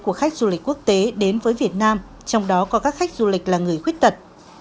của khách du lịch quốc tế đến với việt nam trong đó có các khách du lịch là người khuyết tật